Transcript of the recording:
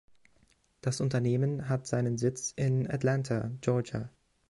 Das Unternehmen hat seinen Sitz in Atlanta, Georgia.